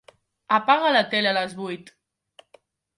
Apaga la tele a les vuit.